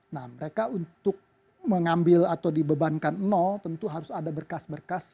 nah mereka untuk mengambil atau dibebankan nol tentu harus ada berkas berkas